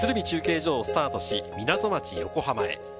中継所をスタートし港町・横浜へ。